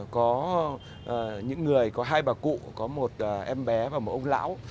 có những người có hai bà cụ có một em bé và một ông lão